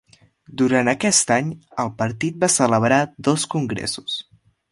Durant aquest any, el Partit va celebrar dos Congressos.